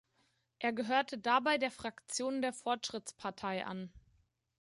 Er gehörte dabei der Fraktion der Fortschrittspartei an.